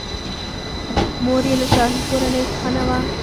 مور یې له شاهي کورنۍ څخه نه وه.